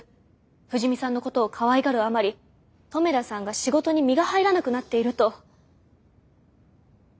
藤見さんのことをかわいがるあまり留田さんが仕事に身が入らなくなっていると。